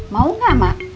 mau gak mak